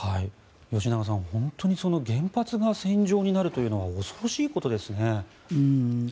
吉永さん、本当に原発が戦場になるというのは恐ろしいことですね。